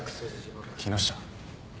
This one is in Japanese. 木下。